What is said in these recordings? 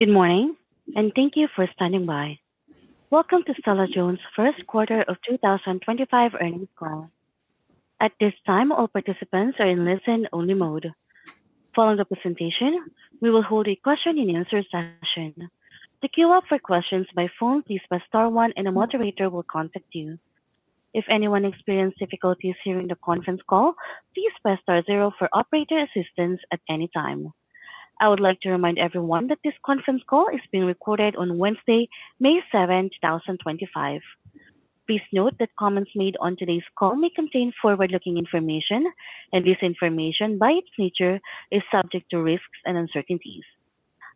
Good morning, and thank you for standing by. Welcome to Stella-Jones' first quarter of 2025 earnings call. At this time, all participants are in listen-only mode. Following the presentation, we will hold a question-and-answer session. To queue up for questions by phone, please press star one, and a moderator will contact you. If anyone experiences difficulties hearing the conference call, please press star zero for operator assistance at any time. I would like to remind everyone that this conference call is being recorded on Wednesday, May 7, 2025. Please note that comments made on today's call may contain forward-looking information, and this information, by its nature, is subject to risks and uncertainties.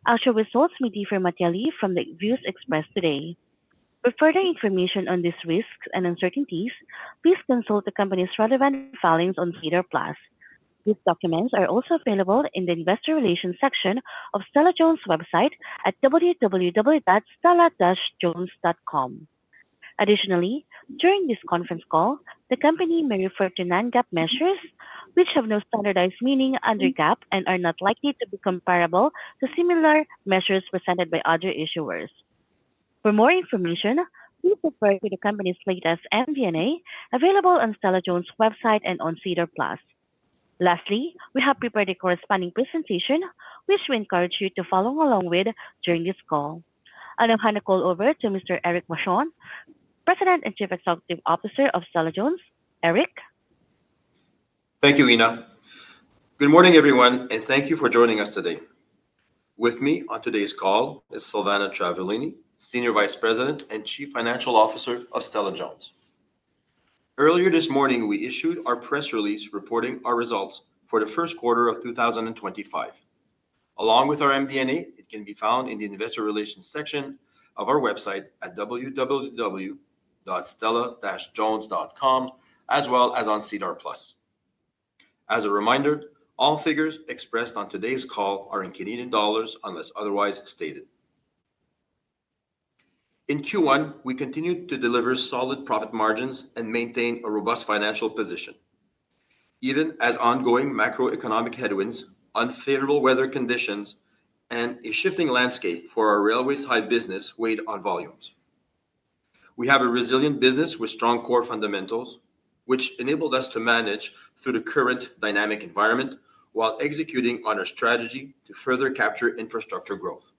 Actual results may differ materially from the views expressed today. For further information on these risks and uncertainties, please consult the company's relevant filings on SEDAR+. These documents are also available in the investor relations section of Stella-Jones' website at www.stella-jones.com. Additionally, during this conference call, the company may refer to non-GAAP measures, which have no standardized meaning under GAAP and are not likely to be comparable to similar measures presented by other issuers. For more information, please refer to the company's latest MD&A available on Stella-Jones' website and on SEDAR+. Lastly, we have prepared a corresponding presentation, which we encourage you to follow along with during this call. I now hand the call over to Mr. Éric Vachon, President and Chief Executive Officer of Stella-Jones. Éric. Thank you, Ina. Good morning, everyone, and thank you for joining us today. With me on today's call is Silvana Travaglini, Senior Vice President and Chief Financial Officer of Stella-Jones. Earlier this morning, we issued our press release reporting our results for the first quarter of 2025. Along with our MD&A, it can be found in the investor relations section of our website at www.stella-jones.com, as well as on SEDAR+. As a reminder, all figures expressed on today's call are in Canadian dollars unless otherwise stated. In Q1, we continued to deliver solid profit margins and maintain a robust financial position, even as ongoing macroeconomic headwinds, unfavorable weather conditions, and a shifting landscape for our railway tie business weighed on volumes. We have a resilient business with strong core fundamentals, which enabled us to manage through the current dynamic environment while executing on our strategy to further capture infrastructure growth.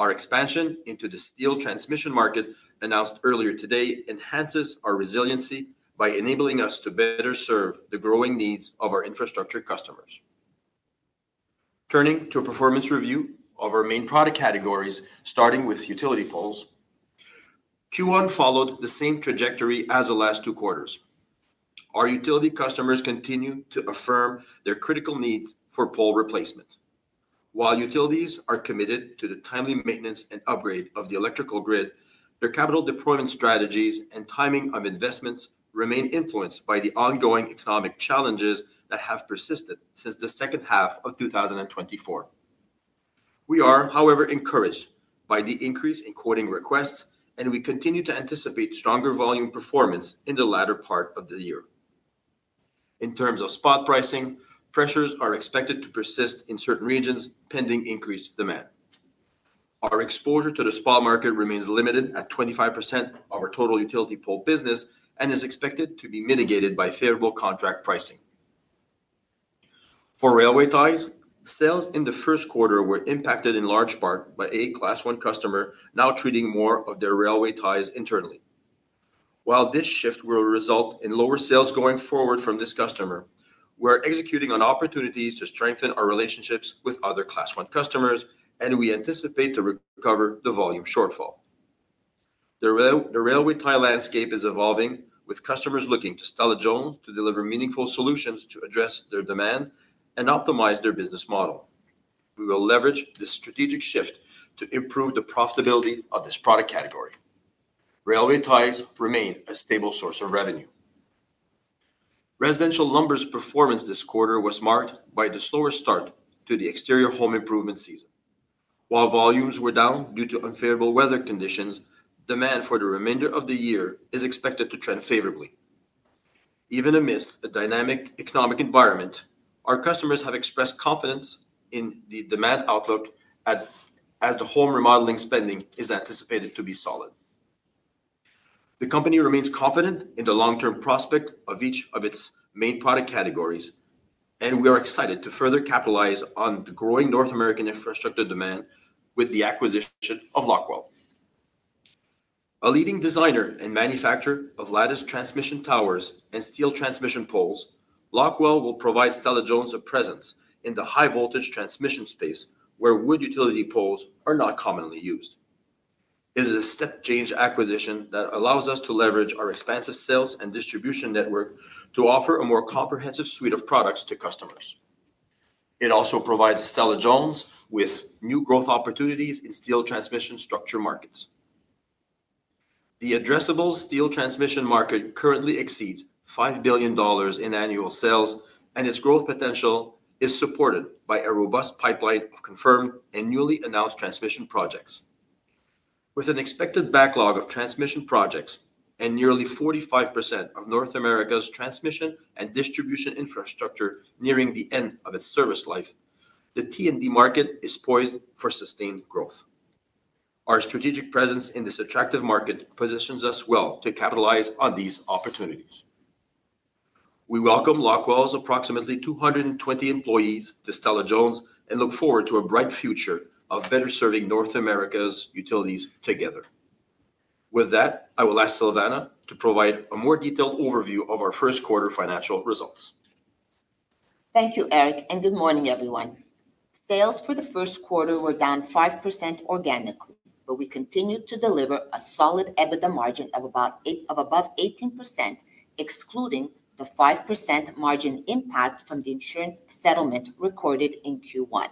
Our expansion into the steel transmission market announced earlier today enhances our resiliency by enabling us to better serve the growing needs of our infrastructure customers. Turning to a performance review of our main product categories, starting with utility poles, Q1 followed the same trajectory as the last two quarters. Our utility customers continue to affirm their critical needs for pole replacement. While utilities are committed to the timely maintenance and upgrade of the electrical grid, their capital deployment strategies and timing of investments remain influenced by the ongoing economic challenges that have persisted since the second half of 2024. We are, however, encouraged by the increase in quoting requests, and we continue to anticipate stronger volume performance in the latter part of the year. In terms of spot pricing, pressures are expected to persist in certain regions pending increased demand. Our exposure to the spot market remains limited at 25% of our total utility pole business and is expected to be mitigated by favorable contract pricing. For railway ties, sales in the first quarter were impacted in large part by a Class 1 customer now treating more of their railway ties internally. While this shift will result in lower sales going forward from this customer, we are executing on opportunities to strengthen our relationships with other Class 1 customers, and we anticipate to recover the volume shortfall. The railway tie landscape is evolving, with customers looking to Stella-Jones to deliver meaningful solutions to address their demand and optimize their business model. We will leverage this strategic shift to improve the profitability of this product category. Railway ties remain a stable source of revenue. Residential lumber's performance this quarter was marked by the slower start to the exterior home improvement season. While volumes were down due to unfavorable weather conditions, demand for the remainder of the year is expected to trend favorably. Even amidst a dynamic economic environment, our customers have expressed confidence in the demand outlook as the home remodeling spending is anticipated to be solid. The company remains confident in the long-term prospect of each of its main product categories, and we are excited to further capitalize on the growing North American infrastructure demand with the acquisition of Locweld. A leading designer and manufacturer of lattice transmission towers and steel transmission poles, Locweld will provide Stella-Jones a presence in the high-voltage transmission space, where wood utility poles are not commonly used. It is a step-change acquisition that allows us to leverage our expansive sales and distribution network to offer a more comprehensive suite of products to customers. It also provides Stella-Jones with new growth opportunities in steel transmission structure markets. The addressable steel transmission market currently exceeds 5 billion dollars in annual sales, and its growth potential is supported by a robust pipeline of confirmed and newly announced transmission projects. With an expected backlog of transmission projects and nearly 45% of North America's transmission and distribution infrastructure nearing the end of its service life, the T&D market is poised for sustained growth. Our strategic presence in this attractive market positions us well to capitalize on these opportunities. We welcome Locweld's approximately 220 employees to Stella-Jones and look forward to a bright future of better serving North America's utilities together. With that, I will ask Silvana to provide a more detailed overview of our first quarter financial results. Thank you, Éric, and good morning, everyone. Sales for the first quarter were down 5% organically, but we continued to deliver a solid EBITDA margin of above 18%, excluding the 5% margin impact from the insurance settlement recorded in Q1.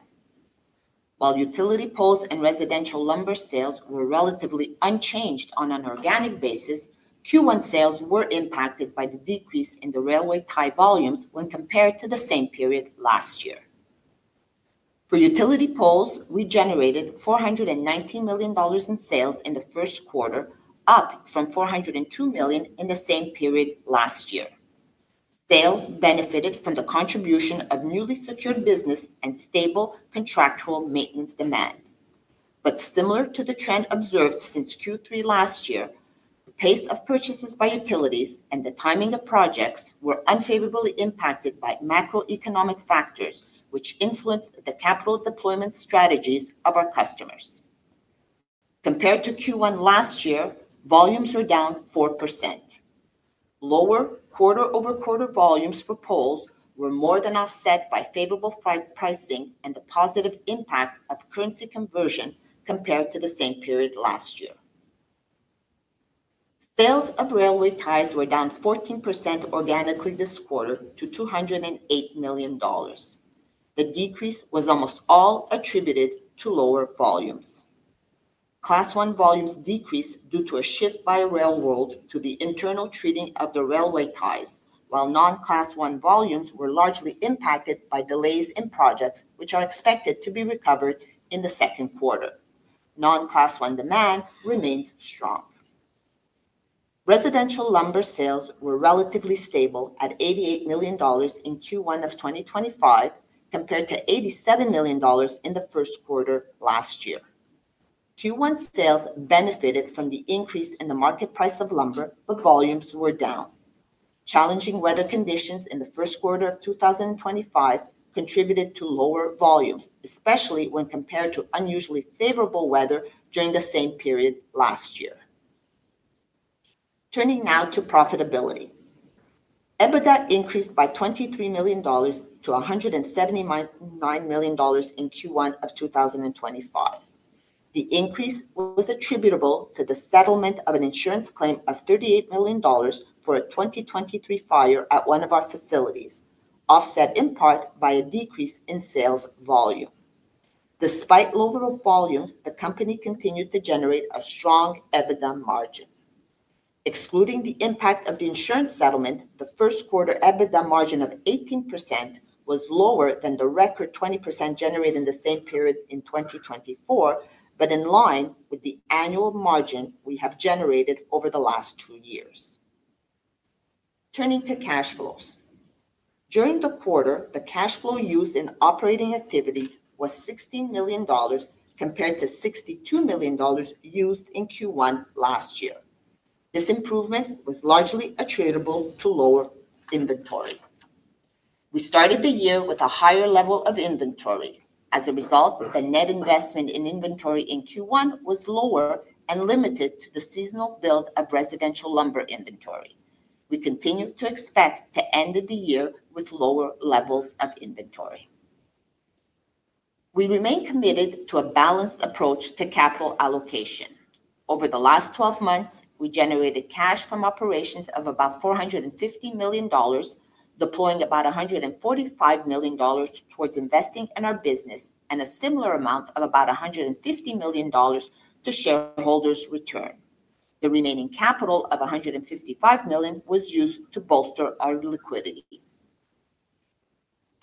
While utility poles and residential lumber sales were relatively unchanged on an organic basis, Q1 sales were impacted by the decrease in the railway tie volumes when compared to the same period last year. For utility poles, we generated 419 million dollars in sales in the first quarter, up from 402 million in the same period last year. Sales benefited from the contribution of newly secured business and stable contractual maintenance demand. Similar to the trend observed since Q3 last year, the pace of purchases by utilities and the timing of projects were unfavorably impacted by macroeconomic factors, which influenced the capital deployment strategies of our customers. Compared to Q1 last year, volumes were down 4%. Lower quarter-over-quarter volumes for poles were more than offset by favorable pricing and the positive impact of currency conversion compared to the same period last year. Sales of railway ties were down 14% organically this quarter to 208 million dollars. The decrease was almost all attributed to lower volumes. Class 1 volumes decreased due to a shift by Railworld to the internal treating of the railway ties, while non-Class 1 volumes were largely impacted by delays in projects, which are expected to be recovered in the second quarter. Non-Class 1 demand remains strong. Residential lumber sales were relatively stable at 88 million dollars in Q1 of 2025 compared to 87 million dollars in the first quarter last year. Q1 sales benefited from the increase in the market price of lumber, but volumes were down. Challenging weather conditions in the first quarter of 2025 contributed to lower volumes, especially when compared to unusually favorable weather during the same period last year. Turning now to profitability. EBITDA increased by 23 million dollars to 179 million dollars in Q1 of 2025. The increase was attributable to the settlement of an insurance claim of 38 million dollars for a 2023 fire at one of our facilities, offset in part by a decrease in sales volume. Despite lower volumes, the company continued to generate a strong EBITDA margin. Excluding the impact of the insurance settlement, the first quarter EBITDA margin of 18% was lower than the record 20% generated in the same period in 2024, but in line with the annual margin we have generated over the last two years. Turning to cash flows. During the quarter, the cash flow used in operating activities was 16 million dollars compared to 62 million dollars used in Q1 last year. This improvement was largely attributable to lower inventory. We started the year with a higher level of inventory. As a result, the net investment in inventory in Q1 was lower and limited to the seasonal build of residential lumber inventory. We continue to expect to end the year with lower levels of inventory. We remain committed to a balanced approach to capital allocation. Over the last 12 months, we generated cash from operations of about 450 million dollars, deploying about 145 million dollars towards investing in our business and a similar amount of about 150 million dollars to shareholders' return. The remaining capital of 155 million was used to bolster our liquidity.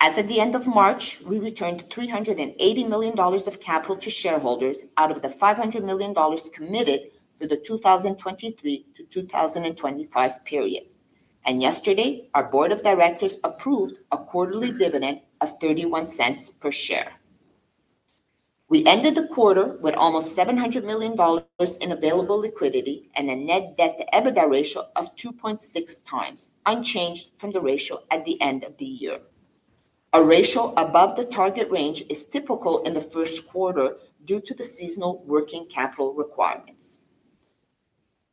As of the end of March, we returned 380 million dollars of capital to shareholders out of the 500 million dollars committed for the 2023 to 2025 period. Yesterday, our board of directors approved a quarterly dividend of 0.31 per share. We ended the quarter with almost 700 million dollars in available liquidity and a net debt-to-EBITDA ratio of 2.6x, unchanged from the ratio at the end of the year. A ratio above the target range is typical in the first quarter due to the seasonal working capital requirements.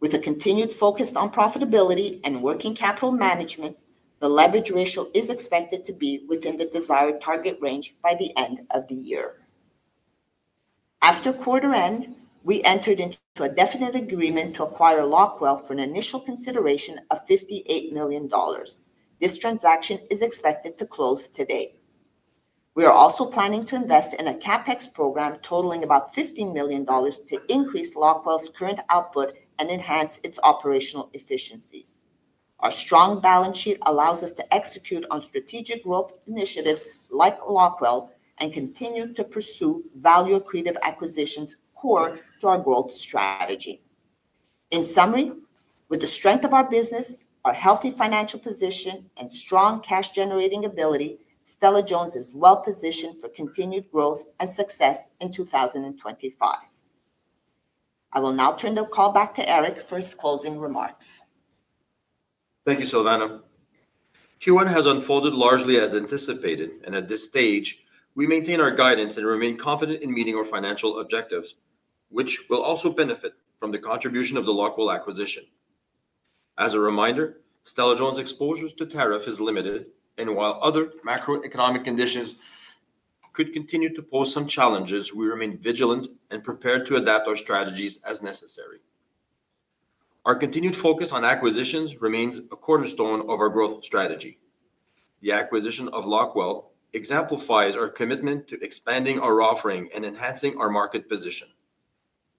With a continued focus on profitability and working capital management, the leverage ratio is expected to be within the desired target range by the end of the year. After quarter end, we entered into a definite agreement to acquire Locweld for an initial consideration of 58 million dollars. This transaction is expected to close today. We are also planning to invest in a CapEx program totaling about 15 million dollars to increase Locweld's current output and enhance its operational efficiencies. Our strong balance sheet allows us to execute on strategic growth initiatives like Locweld and continue to pursue value-accretive acquisitions core to our growth strategy. In summary, with the strength of our business, our healthy financial position, and strong cash-generating ability, Stella-Jones is well-positioned for continued growth and success in 2025. I will now turn the call back to Éric for his closing remarks. Thank you, Silvana. Q1 has unfolded largely as anticipated, and at this stage, we maintain our guidance and remain confident in meeting our financial objectives, which will also benefit from the contribution of the Locweld acquisition. As a reminder, Stella-Jones' exposure to tariff is limited, and while other macroeconomic conditions could continue to pose some challenges, we remain vigilant and prepared to adapt our strategies as necessary. Our continued focus on acquisitions remains a cornerstone of our growth strategy. The acquisition of Locweld exemplifies our commitment to expanding our offering and enhancing our market position.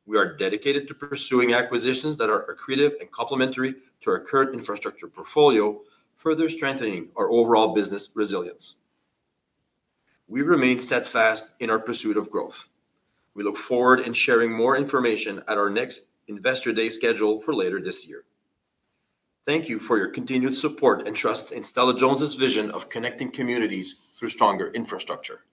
We are dedicated to pursuing acquisitions that are accretive and complementary to our current infrastructure portfolio, further strengthening our overall business resilience. We remain steadfast in our pursuit of growth. We look forward to sharing more information at our next Investor Day scheduled for later this year. Thank you for your continued support and trust in Stella-Jones' vision of connecting communities through stronger infrastructure.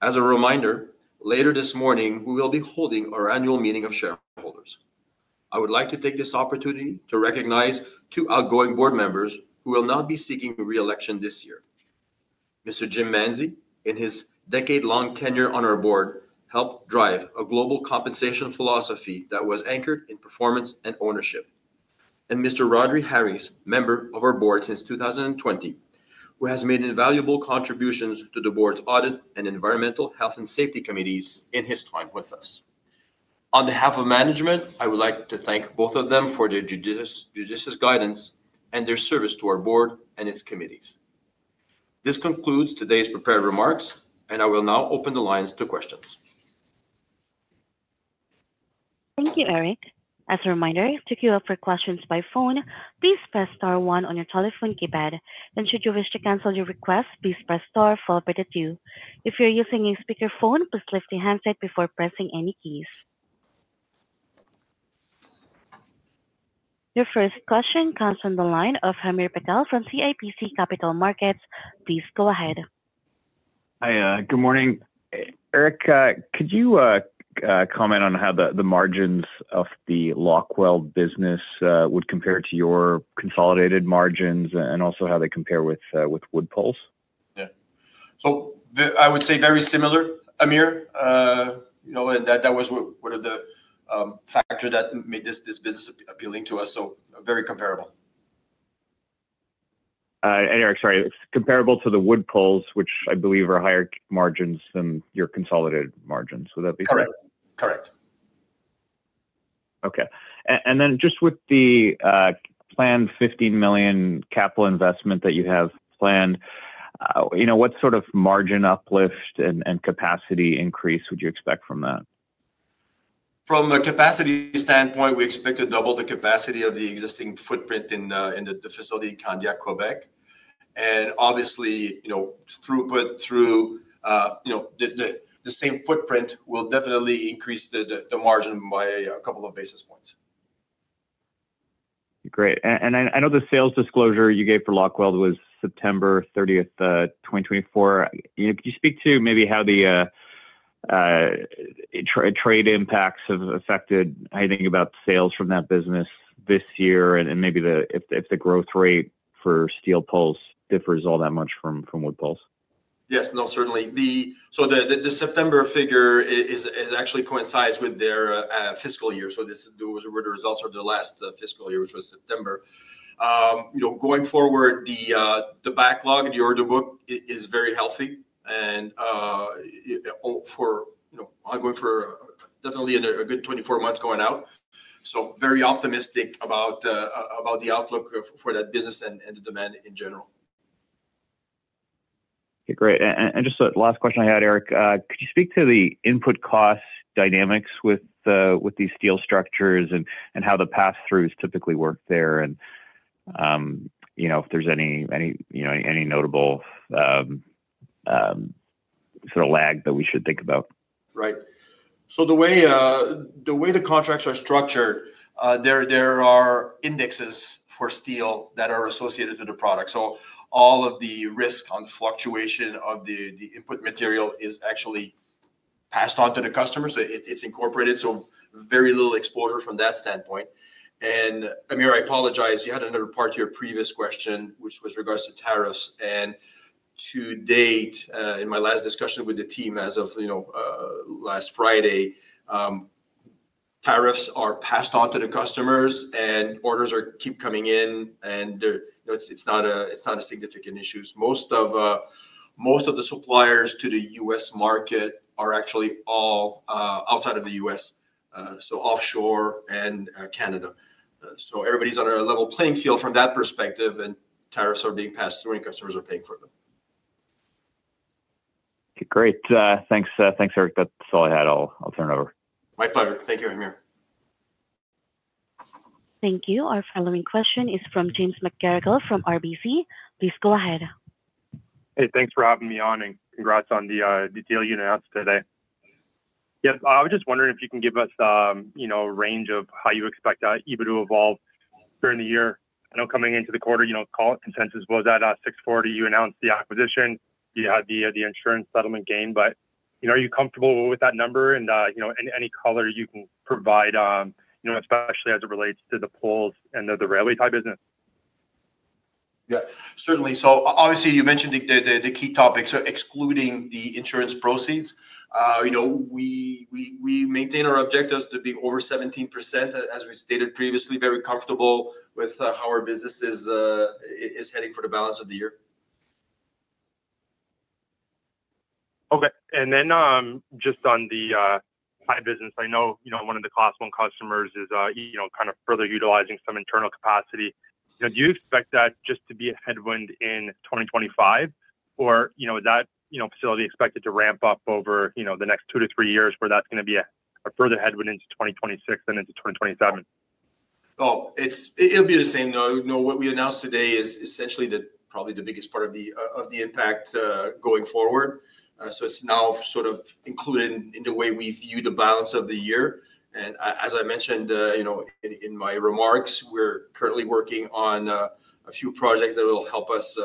As a reminder, later this morning, we will be holding our annual meeting of shareholders. I would like to take this opportunity to recognize two outgoing board members who will not be seeking reelection this year. Mr. Jim Manzi, in his decade-long tenure on our board, helped drive a global compensation philosophy that was anchored in performance and ownership. Mr. Roderick Harris, member of our board since 2020, has made invaluable contributions to the board's audit and environmental health and safety committees in his time with us. On behalf of management, I would like to thank both of them for their judicious guidance and their service to our board and its committees. This concludes today's prepared remarks, and I will now open the lines to questions. Thank you, Éric. As a reminder, to queue up for questions by phone, please press star one on your telephone keypad. If you wish to cancel your request, please press star followed by two. If you're using a speakerphone, please lift the handset before pressing any keys. Your first question comes from the line of Hamir Patel from CIBC Capital Markets. Please go ahead. Hi, good morning. Éric, could you comment on how the margins of the Locweld business would compare to your consolidated margins and also how they compare with WoodPoles? Yeah. I would say very similar, Hamir. That was one of the factors that made this business appealing to us, so very comparable. Éric, sorry, it's comparable to the WoodPoles, which I believe are higher margins than your consolidated margins. Would that be correct? Correct. Okay. With the planned 15 million capital investment that you have planned, what sort of margin uplift and capacity increase would you expect from that? From a capacity standpoint, we expect to double the capacity of the existing footprint in the facility in Candiac, Quebec. Obviously, throughput through the same footprint will definitely increase the margin by a couple of basis points. Great. I know the sales disclosure you gave for Locweld was September 30, 2024. Could you speak to maybe how the trade impacts have affected anything about sales from that business this year and maybe if the growth rate for steel poles differs all that much from wood poles? Yes. No, certainly. The September figure actually coincides with their fiscal year. Those were the results of their last fiscal year, which was September. Going forward, the backlog in the order book is very healthy and ongoing for definitely a good 24 months going out. Very optimistic about the outlook for that business and the demand in general. Okay. Great. Just the last question I had, Éric, could you speak to the input cost dynamics with these steel structures and how the pass-throughs typically work there and if there's any notable sort of lag that we should think about? Right. The way the contracts are structured, there are indexes for steel that are associated with the product. All of the risk on the fluctuation of the input material is actually passed on to the customer. It is incorporated, so very little exposure from that standpoint. Amir, I apologize. You had another part to your previous question, which was in regards to tariffs. To date, in my last discussion with the team as of last Friday, tariffs are passed on to the customers and orders keep coming in, and it is not a significant issue. Most of the suppliers to the U.S. market are actually all outside of the U.S., so offshore and Canada. Everybody is on a level playing field from that perspective, and tariffs are being passed through and customers are paying for them. Okay. Great. Thanks, Éric. That's all I had. I'll turn it over. My pleasure. Thank you, Hamir. Thank you. Our following question is from James McGarragle from RBC. Please go ahead. Hey, thanks for having me on and congrats on the deal you announced today. Yep. I was just wondering if you can give us a range of how you expect EBITDA to evolve during the year. I know coming into the quarter, call it consensus was at 640 million. You announced the acquisition. You had the insurance settlement gain. Are you comfortable with that number and any color you can provide, especially as it relates to the poles and the railway ties business? Yeah. Certainly. So obviously, you mentioned the key topics, excluding the insurance proceeds. We maintain our objectives to be over 17%, as we stated previously. Very comfortable with how our business is heading for the balance of the year. Okay. And then just on the tie business, I know one of the Class 1 customers is kind of further utilizing some internal capacity. Do you expect that just to be a headwind in 2025, or is that facility expected to ramp up over the next two to three years where that's going to be a further headwind into 2026 and into 2027? Oh, it'll be the same. What we announced today is essentially probably the biggest part of the impact going forward. It is now sort of included in the way we view the balance of the year. As I mentioned in my remarks, we're currently working on a few projects that will help us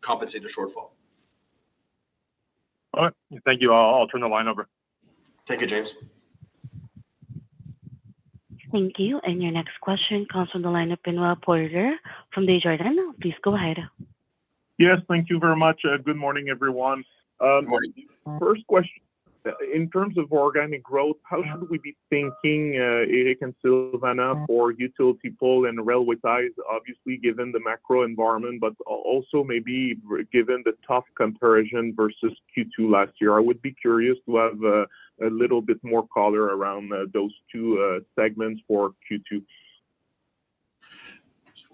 compensate the shortfall. All right. Thank you. I'll turn the line over. Thank you, James. Thank you. Your next question comes from the line of Benoit Poirier from Desjardins. Please go ahead. Yes. Thank you very much. Good morning, everyone. Good morning. First question. In terms of organic growth, how should we be thinking, Éric and Silvana, for utility pole and railway ties, obviously given the macro environment, but also maybe given the tough comparison versus Q2 last year? I would be curious to have a little bit more color around those two segments for Q2.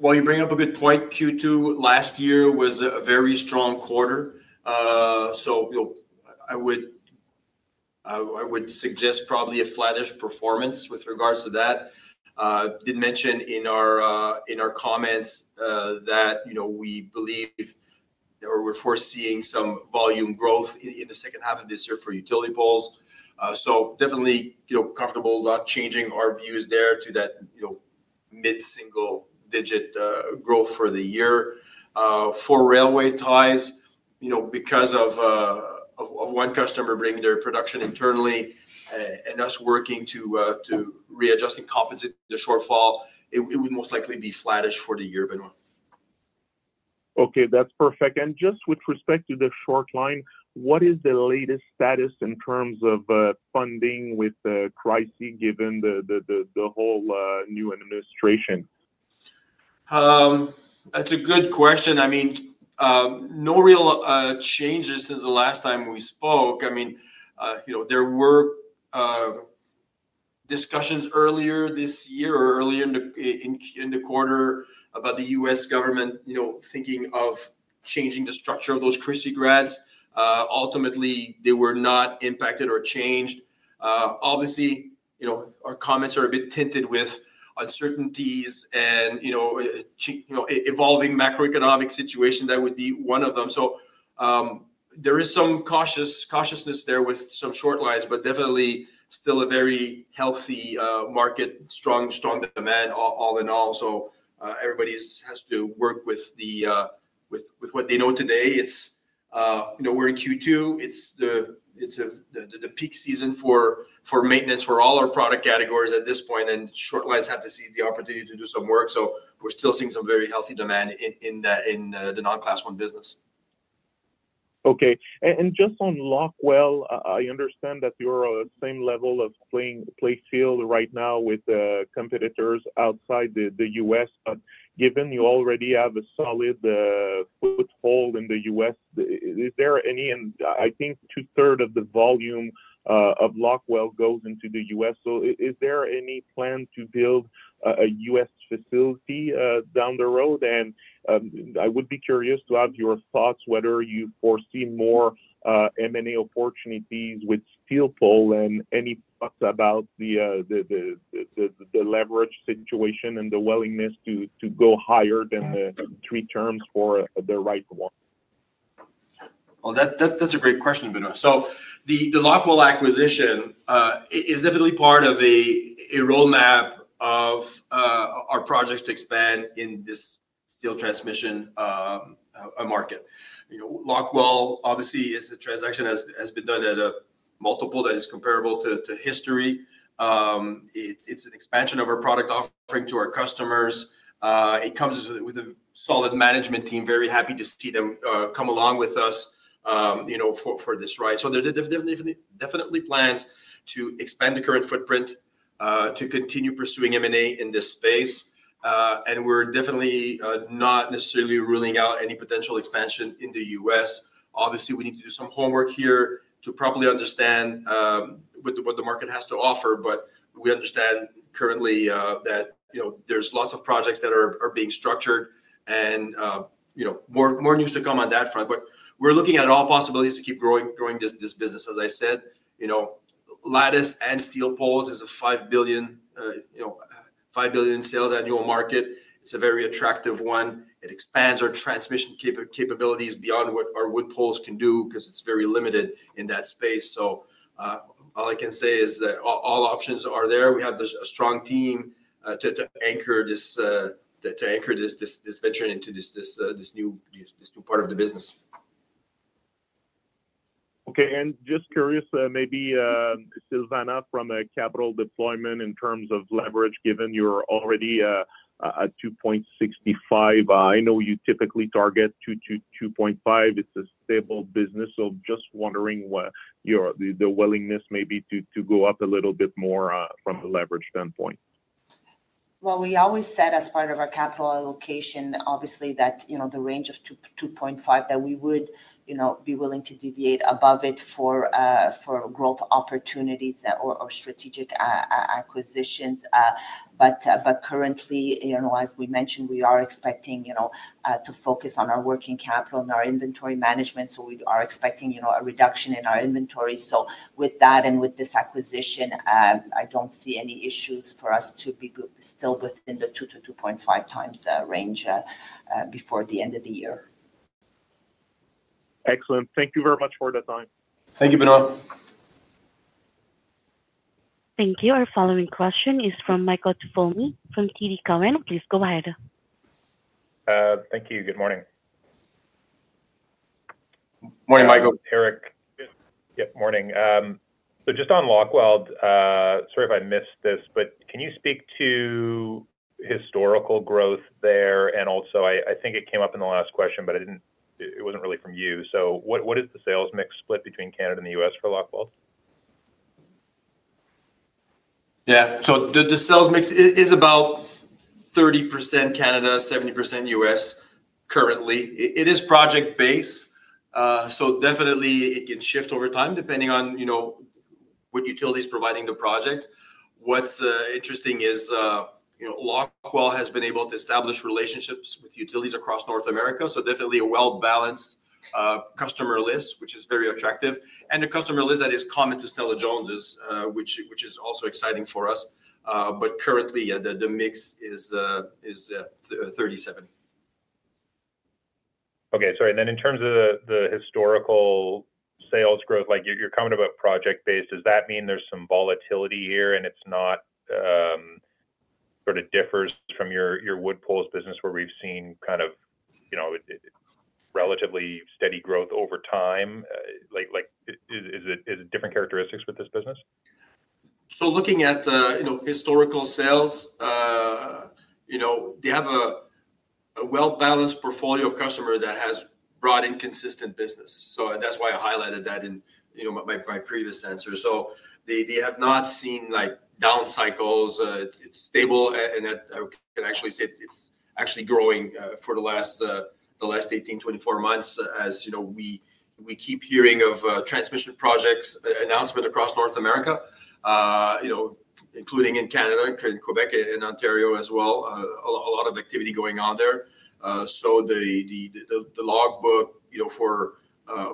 You bring up a good point. Q2 last year was a very strong quarter. I would suggest probably a flattish performance with regards to that. I did mention in our comments that we believe or we are foreseeing some volume growth in the second half of this year for utility poles. Definitely comfortable changing our views there to that mid-single-digit growth for the year. For railway ties, because of one customer bringing their production internally and us working to readjust and compensate the shortfall, it would most likely be flattish for the year. Okay. That's perfect. Just with respect to the short line, what is the latest status in terms of funding with the crisis given the whole new administration? That's a good question. I mean, no real changes since the last time we spoke. I mean, there were discussions earlier this year or earlier in the quarter about the U.S. government thinking of changing the structure of those Christie grads. Ultimately, they were not impacted or changed. Obviously, our comments are a bit tinted with uncertainties and evolving macroeconomic situations. That would be one of them. There is some cautiousness there with some short lines, but definitely still a very healthy market, strong demand all in all. Everybody has to work with what they know today. We're in Q2. It's the peak season for maintenance for all our product categories at this point, and short lines have to seize the opportunity to do some work. We're still seeing some very healthy demand in the non-Class 1 business. Okay. Just on Locweld, I understand that you're on the same level of playing field right now with competitors outside the U.S. Given you already have a solid foothold in the U.S., is there any—I think two-thirds of the volume of Locweld goes into the U.S.—is there any plan to build a U.S. facility down the road? I would be curious to have your thoughts whether you foresee more M&A opportunities with SteelPole and any thoughts about the leverage situation and the willingness to go higher than the three terms for the right one. That's a great question, Benoit. The Locweld acquisition is definitely part of a roadmap of our projects to expand in this steel transmission market. Locweld, obviously, the transaction has been done at a multiple that is comparable to history. It's an expansion of our product offering to our customers. It comes with a solid management team. Very happy to see them come along with us for this ride. There are definitely plans to expand the current footprint, to continue pursuing M&A in this space. We're definitely not necessarily ruling out any potential expansion in the U.S. Obviously, we need to do some homework here to properly understand what the market has to offer. We understand currently that there's lots of projects that are being structured and more news to come on that front. We're looking at all possibilities to keep growing this business. As I said, lattice and steel poles is a 5 billion sales annual market. It is a very attractive one. It expands our transmission capabilities beyond what our wood poles can do because it is very limited in that space. All I can say is that all options are there. We have a strong team to anchor this venture into this new part of the business. Okay. Just curious, maybe Silvana from Capital Deployment, in terms of leverage, given you're already at 2.65. I know you typically target 2.5. It's a stable business. Just wondering the willingness maybe to go up a little bit more from the leverage standpoint. As part of our capital allocation, obviously, that the range of 2.5 that we would be willing to deviate above it for growth opportunities or strategic acquisitions. Currently, as we mentioned, we are expecting to focus on our working capital and our inventory management. We are expecting a reduction in our inventory. With that and with this acquisition, I do not see any issues for us to be still within the 2x-2.5x range before the end of the year. Excellent. Thank you very much for the time. Thank you, Benoit. Thank you. Our following question is from Michael Tupholme from TD Cowen. Please go ahead. Thank you. Good morning. Morning, Michael. Éric. Yeah. Morning. Just on Locweld, sorry if I missed this, but can you speak to historical growth there? Also, I think it came up in the last question, but it was not really from you. What is the sales mix split between Canada and the US for Locweld? Yeah. The sales mix is about 30% Canada, 70% US currently. It is project-based. It can shift over time depending on what utility is providing the project. What's interesting is Locweld has been able to establish relationships with utilities across North America. Definitely a well-balanced customer list, which is very attractive. A customer list that is common to Stella-Jones, which is also exciting for us. Currently, the mix is 37. Okay. Sorry. In terms of the historical sales growth, you're coming about project-based. Does that mean there's some volatility here and it sort of differs from your WoodPoles business where we've seen kind of relatively steady growth over time? Is it different characteristics with this business? Looking at historical sales, they have a well-balanced portfolio of customers that has brought in consistent business. That is why I highlighted that in my previous answer. They have not seen down cycles. It is stable. I can actually say it is actually growing for the last 18-24 months as we keep hearing of transmission projects announced across North America, including in Canada, Quebec, and Ontario as well. A lot of activity going on there. The logbook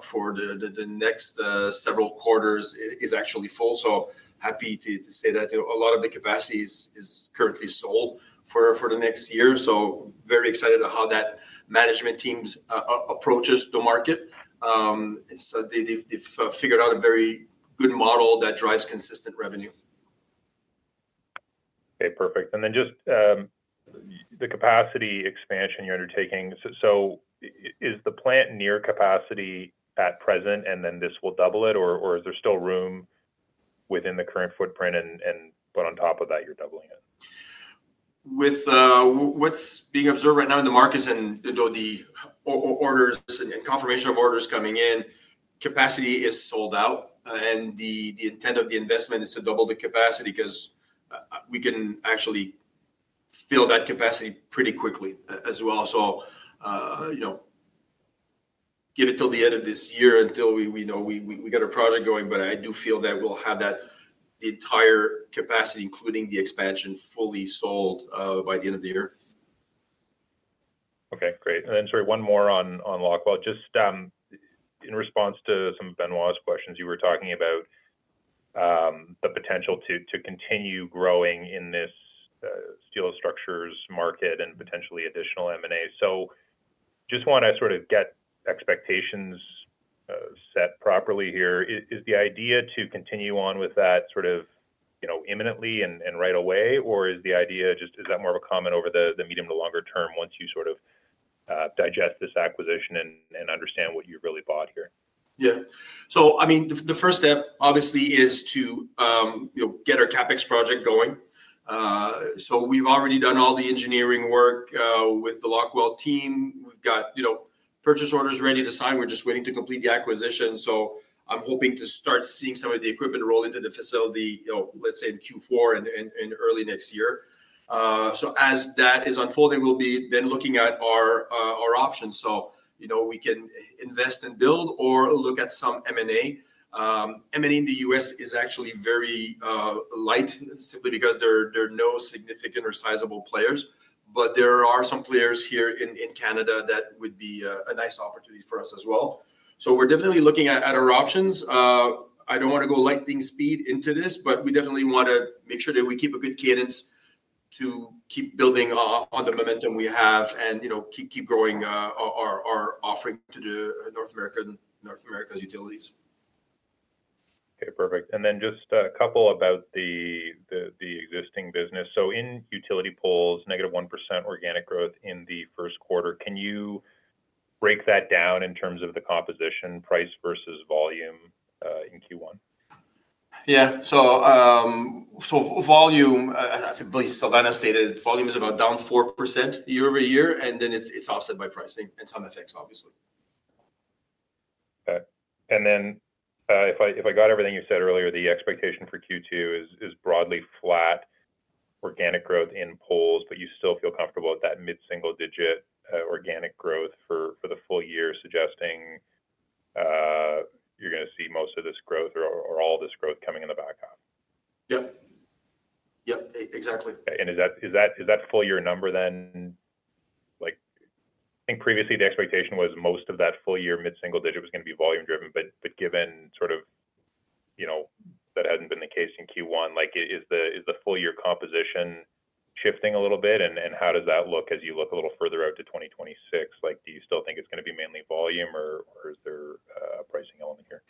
for the next several quarters is actually full. Happy to say that a lot of the capacity is currently sold for the next year. Very excited about how that management team approaches the market. They have figured out a very good model that drives consistent revenue. Okay. Perfect. And then just the capacity expansion you're undertaking. Is the plant near capacity at present, and then this will double it, or is there still room within the current footprint, but on top of that, you're doubling it? With what is being observed right now in the markets and the orders and confirmation of orders coming in, capacity is sold out. The intent of the investment is to double the capacity because we can actually fill that capacity pretty quickly as well. Give it till the end of this year until we get our project going. I do feel that we will have the entire capacity, including the expansion, fully sold by the end of the year. Okay. Great. Sorry, one more on Locweld. Just in response to some of Benoit's questions, you were talking about the potential to continue growing in this steel structures market and potentially additional M&A. Just want to sort of get expectations set properly here. Is the idea to continue on with that sort of imminently and right away, or is the idea just is that more of a comment over the medium to longer term once you sort of digest this acquisition and understand what you really bought here? Yeah. So I mean, the first step, obviously, is to get our CapEx project going. So we've already done all the engineering work with the Locweld team. We've got purchase orders ready to sign. We're just waiting to complete the acquisition. I'm hoping to start seeing some of the equipment roll into the facility, let's say, in Q4 and early next year. As that is unfolding, we'll be then looking at our options. We can invest and build or look at some M&A. M&A in the U.S. is actually very light simply because there are no significant or sizable players. There are some players here in Canada that would be a nice opportunity for us as well. We're definitely looking at our options. I do not want to go lightning speed into this, but we definitely want to make sure that we keep a good cadence to keep building on the momentum we have and keep growing our offering to North America's utilities. Okay. Perfect. And then just a couple about the existing business. In utility poles, negative 1% organic growth in the first quarter. Can you break that down in terms of the composition, price versus volume in Q1? Yeah. Volume, I think Silvana stated, volume is about down 4% year over year, and then it's offset by pricing and some effects, obviously. Okay. If I got everything you said earlier, the expectation for Q2 is broadly flat organic growth in poles, but you still feel comfortable with that mid-single-digit organic growth for the full year, suggesting you're going to see most of this growth or all this growth coming in the back half. Yep. Yep. Exactly. Is that full year number then? I think previously the expectation was most of that full year mid-single digit was going to be volume-driven. Given sort of that has not been the case in Q1, is the full year composition shifting a little bit? How does that look as you look a little further out to 2026? Do you still think it is going to be mainly volume, or is there a pricing element here?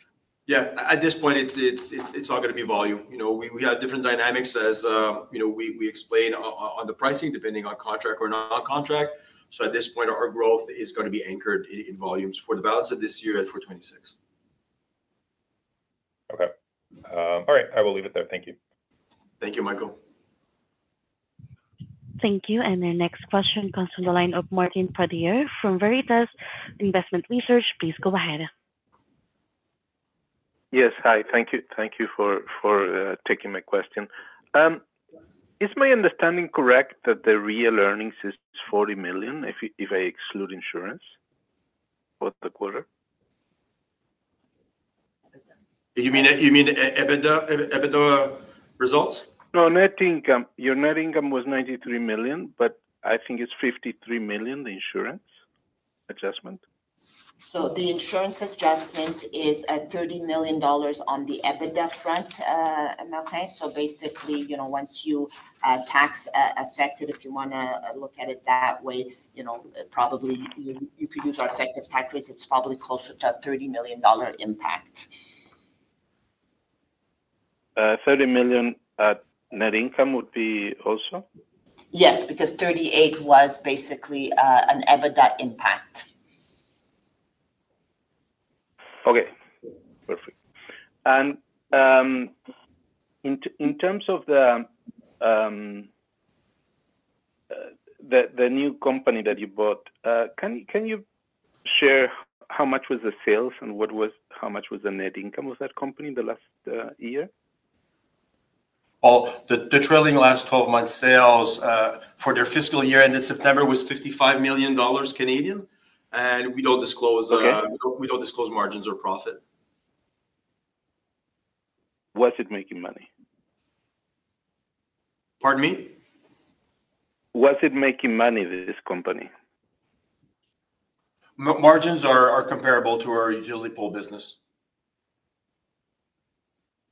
Yeah. At this point, it's all going to be volume. We have different dynamics as we explain on the pricing depending on contract or non-contract. At this point, our growth is going to be anchored in volumes for the balance of this year and for 2026. Okay. All right. I will leave it there. Thank you. Thank you, Michael. Thank you. The next question comes from the line of Martin Pradier from Veritas Investment Research. Please go ahead. Yes. Hi. Thank you for taking my question. Is my understanding correct that the real earnings is 40 million if I exclude insurance for the quarter? You mean EBITDA results? No, net income. Your net income was 93 million, but I think it's 53 million, the insurance adjustment. The insurance adjustment is at 30 million dollars on the EBITDA front, Malachi. Basically, once you tax-affected, if you want to look at it that way, probably you could use our effective tax rates. It is probably closer to a 30 million dollar impact. 30 million net income would be also? Yes, because 38 was basically an EBITDA impact. Okay. Perfect. In terms of the new company that you bought, can you share how much was the sales and how much was the net income of that company the last year? The trailing last 12 months' sales for their fiscal year ended September was 55 million dollars. We do not disclose margins or profit. Was it making money? Pardon me? Was it making money, this company? Margins are comparable to our utility pole business.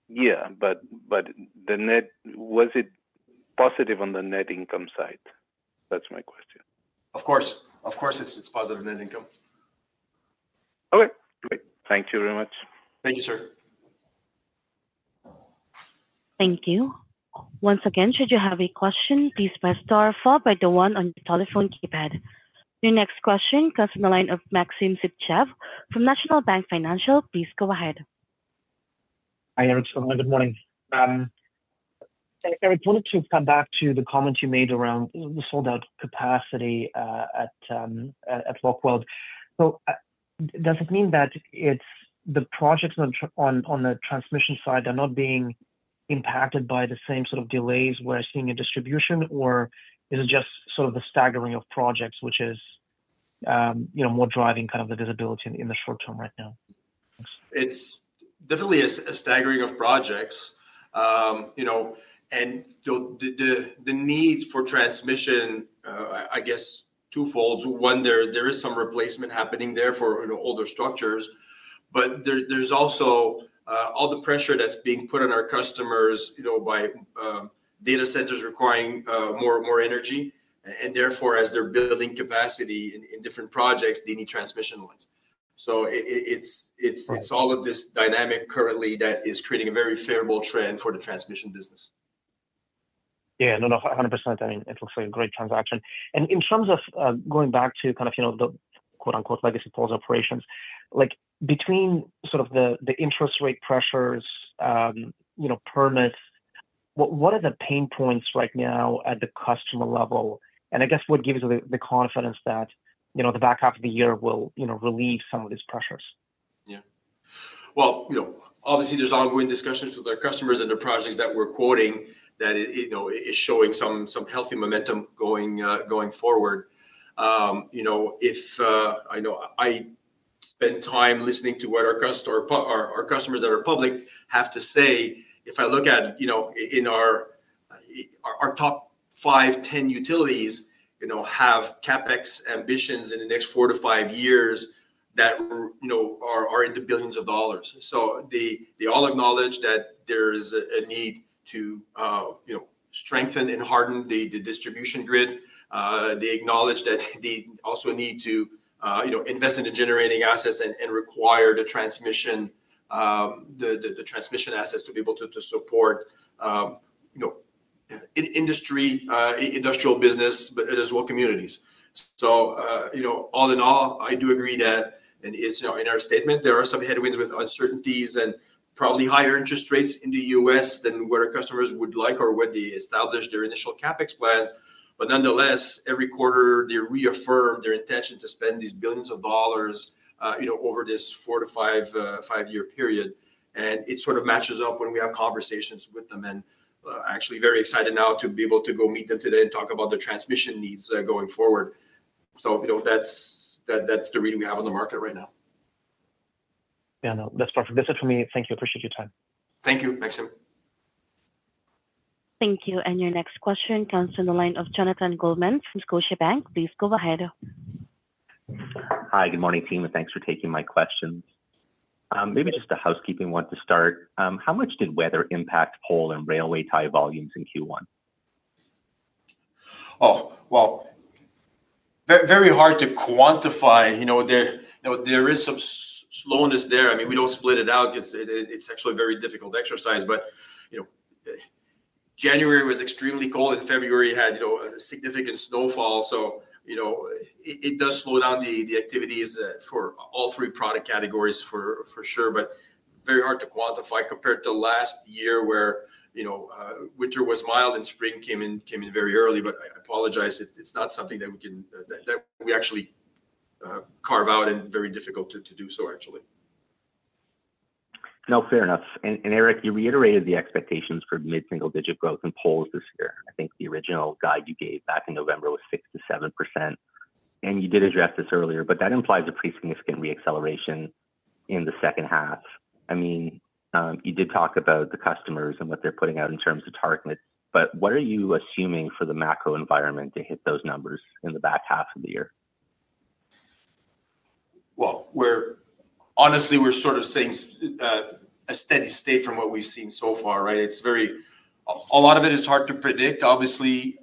Yeah. Was it positive on the net income side? That's my question. Of course. Of course, it's positive net income. Okay. Great. Thank you very much. Thank you, sir. Thank you. Once again, should you have a question, please press star or four by the one on your telephone keypad. Your next question comes from the line of Maxim Sytchev from National Bank Financial. Please go ahead. Hi, Éric. Good morning. Éric, wanted to come back to the comment you made around the sold-out capacity at Locweld. Does it mean that the projects on the transmission side are not being impacted by the same sort of delays we're seeing in distribution, or is it just sort of the staggering of projects which is more driving kind of the visibility in the short term right now? It's definitely a staggering of projects. The needs for transmission, I guess, are twofold. One, there is some replacement happening there for older structures. There is also all the pressure that's being put on our customers by data centers requiring more energy. Therefore, as they're building capacity in different projects, they need transmission lines. All of this dynamic currently is creating a very favorable trend for the transmission business. Yeah. No, no, 100%. I mean, it looks like a great transaction. In terms of going back to kind of the "legacy poles" operations, between sort of the interest rate pressures, permits, what are the pain points right now at the customer level? I guess what gives you the confidence that the back half of the year will relieve some of these pressures? Yeah. Obviously, there's ongoing discussions with our customers and the projects that we're quoting that is showing some healthy momentum going forward. I spent time listening to what our customers that are public have to say. If I look at our top 5, 10 utilities have CapEx ambitions in the next four to five years that are in the billions of dollars. They all acknowledge that there is a need to strengthen and harden the distribution grid. They acknowledge that they also need to invest in the generating assets and require the transmission assets to be able to support industry, industrial business, but as well communities. All in all, I do agree that in our statement, there are some headwinds with uncertainties and probably higher interest rates in the U.S. than what our customers would like or what they established their initial CapEx plans. Nonetheless, every quarter, they reaffirm their intention to spend these billions of dollars over this four to five-year period. It sort of matches up when we have conversations with them. Actually, very excited now to be able to go meet them today and talk about the transmission needs going forward. That is the reading we have on the market right now. Yeah. No, that's perfect. That's it for me. Thank you. Appreciate your time. Thank you, Maxim. Thank you. Your next question comes from the line of Jonathan Goldman from Scotiabank. Please go ahead. Hi. Good morning, team. Thanks for taking my questions. Maybe just a housekeeping one to start. How much did weather impact pole and railway tie volumes in Q1? Oh, very hard to quantify. There is some slowness there. I mean, we do not split it out because it is actually a very difficult exercise. January was extremely cold, and February had significant snowfall. It does slow down the activities for all three product categories for sure, but very hard to quantify compared to last year where winter was mild and spring came in very early. I apologize. It is not something that we can actually carve out, and very difficult to do so, actually. No, fair enough. And Éric, you reiterated the expectations for mid-single digit growth in poles this year. I think the original guide you gave back in November was 6%-7%. And you did address this earlier, but that implies a pretty significant reacceleration in the second half. I mean, you did talk about the customers and what they're putting out in terms of targets. But what are you assuming for the macro environment to hit those numbers in the back half of the year? Honestly, we're sort of seeing a steady state from what we've seen so far, right? A lot of it is hard to predict, obviously,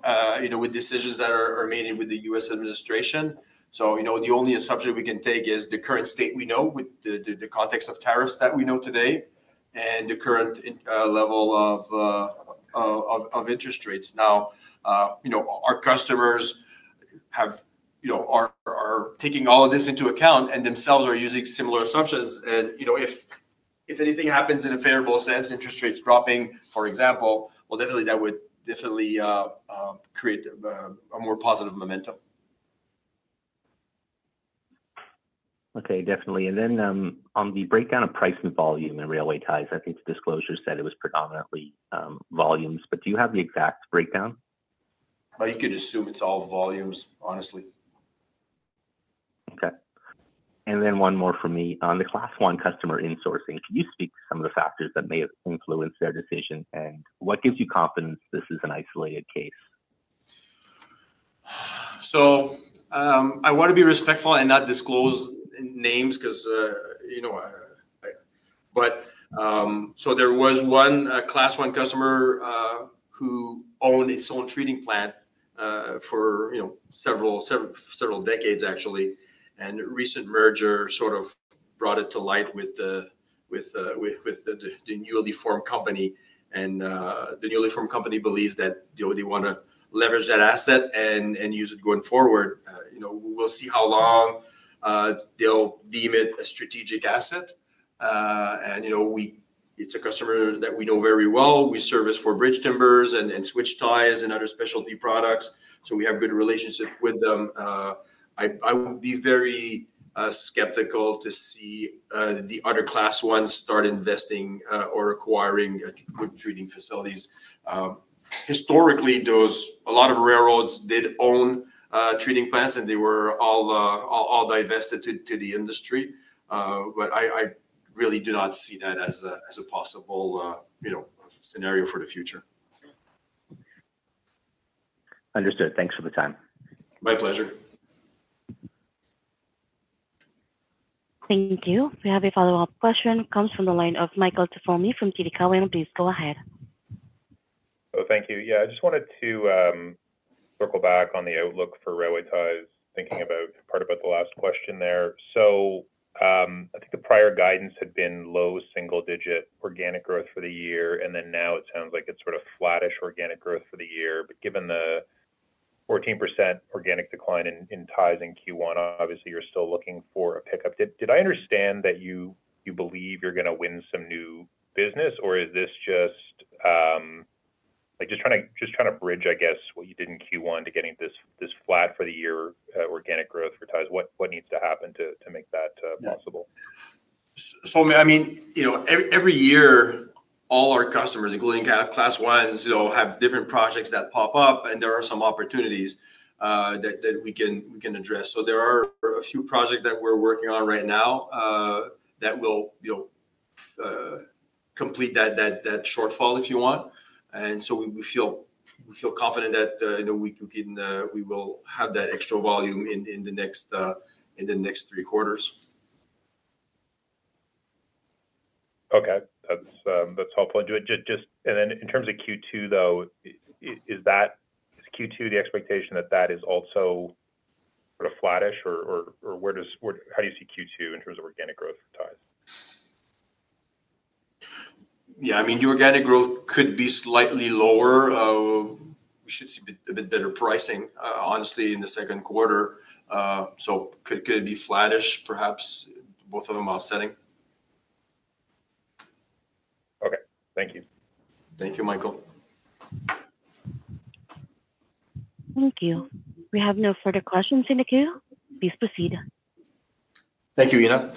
with decisions that are made with the U.S. administration. The only assumption we can take is the current state we know with the context of tariffs that we know today and the current level of interest rates. Now, our customers are taking all of this into account, and themselves are using similar assumptions. If anything happens in a favorable sense, interest rates dropping, for example, that would definitely create a more positive momentum. Okay. Definitely. Then on the breakdown of price and volume in railway ties, I think the disclosure said it was predominantly volumes. Do you have the exact breakdown? You can assume it's all volumes, honestly. Okay. And then one more for me. On the Class 1 customer insourcing, can you speak to some of the factors that may have influenced their decision? What gives you confidence this is an isolated case? I want to be respectful and not disclose names because there was one Class 1 customer who owned its own treating plant for several decades, actually. A recent merger sort of brought it to light with the newly formed company. The newly formed company believes that they want to leverage that asset and use it going forward. We'll see how long they'll deem it a strategic asset. It's a customer that we know very well. We service for bridge timbers and switch ties and other specialty products. We have a good relationship with them. I would be very skeptical to see the other Class 1s start investing or acquiring wood treating facilities. Historically, a lot of railroads did own treating plants, and they were all divested to the industry. I really do not see that as a possible scenario for the future. Understood. Thanks for the time. My pleasure. Thank you. We have a follow-up question. It comes from the line of Michael Tupholme from TD Cowen. Please go ahead. Oh, thank you. Yeah. I just wanted to circle back on the outlook for railway ties, thinking about part about the last question there. I think the prior guidance had been low single-digit organic growth for the year. Now it sounds like it's sort of flattish organic growth for the year. Given the 14% organic decline in ties in Q1, obviously, you're still looking for a pickup. Did I understand that you believe you're going to win some new business, or is this just trying to bridge, I guess, what you did in Q1 to getting this flat for the year organic growth for ties? What needs to happen to make that possible? I mean, every year, all our customers, including Class 1s, have different projects that pop up, and there are some opportunities that we can address. There are a few projects that we're working on right now that will complete that shortfall, if you want. We feel confident that we will have that extra volume in the next three quarters. Okay. That's helpful. In terms of Q2, though, is Q2 the expectation that that is also sort of flattish, or how do you see Q2 in terms of organic growth for ties? Yeah. I mean, the organic growth could be slightly lower. We should see a bit better pricing, honestly, in the second quarter. Could it be flattish, perhaps, both of them offsetting? Okay. Thank you. Thank you, Michael. Thank you. We have no further questions in the queue. Please proceed. Thank you, Ina.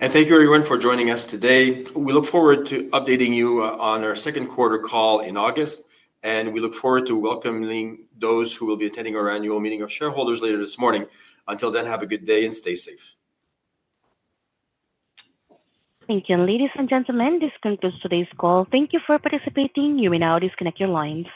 Thank you, everyone, for joining us today. We look forward to updating you on our second quarter call in August. We look forward to welcoming those who will be attending our annual meeting of shareholders later this morning. Until then, have a good day and stay safe. Thank you. Ladies and gentlemen, this concludes today's call. Thank you for participating. You may now disconnect your lines.